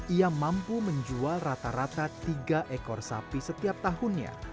ia mampu menjual rata rata tiga ekor sapi setiap tahunnya